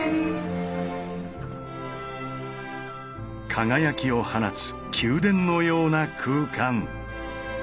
輝きを放つ宮殿のような空間。